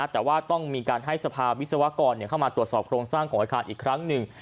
แต่ว่าต้องมีการให้สภาวิศวกรเข้ามาตรวจสอบโครงสร้างของอาคารอีกครั้งหนึ่ง